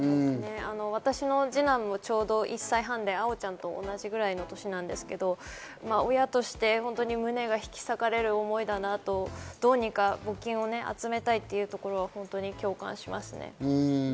私の二男もちょうど１歳半であおちゃんと同じぐらいの年なんですけど、親として胸が引き裂かれる思いだなと、どうにか募金を集めたいっていうところは本当に共感しますね。